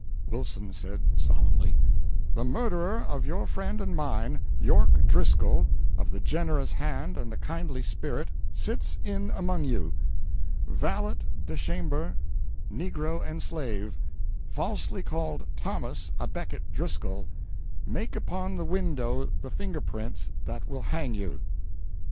Wilson said, solemnly "The murderer of your friend and mine York Driscoll of the generous hand and the kindly spirit sits in among you. Valet de Chambre, negro and slave, falsely called Thomas à Becket Driscoll, make upon the window the finger prints that will hang you!"